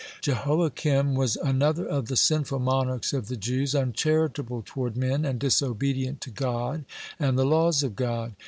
Jehoiakim was another of the sinful monarchs of the Jews, uncharitable toward men and disobedient to God and the laws of God.